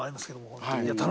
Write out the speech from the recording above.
本当に。